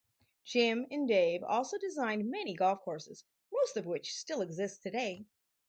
Jim and Dave also designed many golf courses, most of which still exist today.